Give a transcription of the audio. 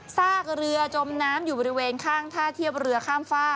ซากเรือจมน้ำอยู่บริเวณข้างท่าเทียบเรือข้ามฝ้า